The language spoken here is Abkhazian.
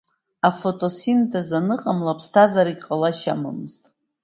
Афотосинтез аныҟамла, аԥсҭазаарагьы ҟалашьа амаӡамызт.